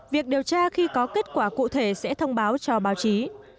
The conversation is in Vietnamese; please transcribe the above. việc điều tra khi có kết quả cụ thể sẽ thông báo cho báo chí